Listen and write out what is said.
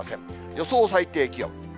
予想最低気温。